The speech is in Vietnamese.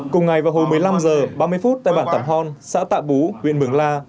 cùng ngày vào hồi một mươi năm h ba mươi tại bản tạm hòn xã tạ bú huyện mừng la